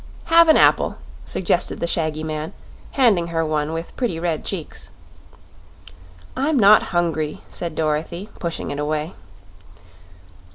"Have an apple," suggested the shaggy man, handing her one with pretty red cheeks. "I'm not hungry," said Dorothy, pushing it away.